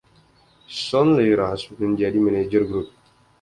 Sonley Rush menjadi manajer grup.